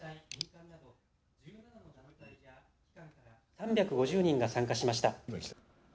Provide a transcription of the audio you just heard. ３５０人が参加しました。